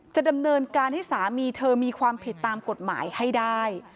จะดำเนินการให้สามีเธอมีความผิดตามกฎหมายให้ได้